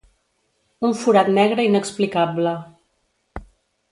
Un forat negre inexplicable.